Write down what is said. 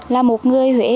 là một người huy